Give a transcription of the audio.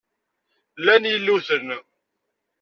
Llan yilluten.